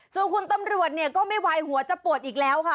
ส่วนคุณตำรวจเนี่ยก็ไม่ไหวหัวจะปวดอีกแล้วค่ะ